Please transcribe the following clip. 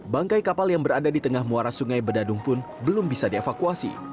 bangkai kapal yang berada di tengah muara sungai bedadung pun belum bisa dievakuasi